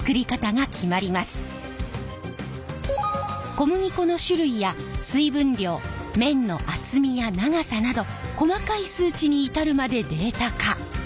小麦粉の種類や水分量麺の厚みや長さなど細かい数値に至るまでデータ化。